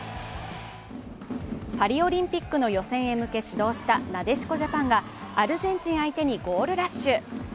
パリオリンピックの予選へ向け始動したなでしこジャパンがアルゼンチン相手にゴールラッシュ。